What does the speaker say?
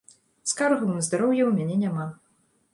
Скаргаў на здароўе у мяне няма.